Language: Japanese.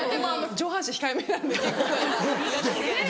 「上半身控えめなんで」。